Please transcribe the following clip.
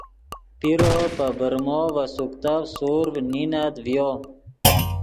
پیرو پے برمو ڤے سوکتف سورڤ نینت ڤیو